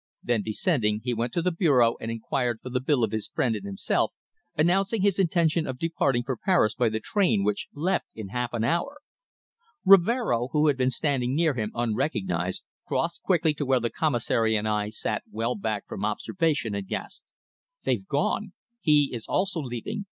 Then, descending, he went to the bureau and inquired for the bill of his friend and himself, announcing his intention of departing for Paris by the train which left in half an hour! Rivero, who had been standing near him unrecognized, crossed quickly to where with the Commissary I sat well back from observation, and gasped: "They've gone! He is also leaving!